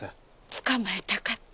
つかまえたかった。